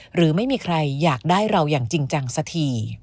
หรือไม่มีใครอยากได้เราอย่างจริงจังสักที